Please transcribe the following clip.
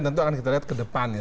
tentu akan kita lihat ke depannya